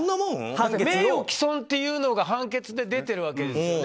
名誉毀損っていうのが判決で出ているわけですよね。